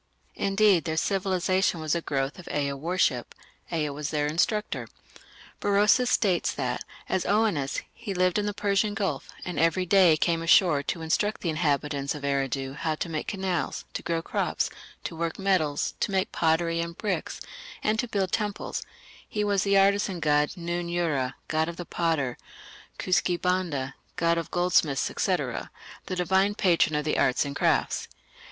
Indeed, their civilization was a growth of Ea worship. Ea was their instructor. Berosus states that, as Oannes, he lived in the Persian Gulf, and every day came ashore to instruct the inhabitants of Eridu how to make canals, to grow crops, to work metals, to make pottery and bricks, and to build temples; he was the artisan god Nun ura, "god of the potter"; Kuski banda, "god of goldsmiths", &c. the divine patron of the arts and crafts.